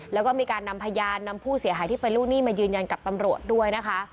แล้วก็มีการนำพยานนำผู้เสียหายที่เป็นลูกหนี้มายืนยันกับตำรวจด้วยนะคะ